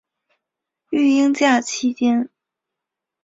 育婴假期间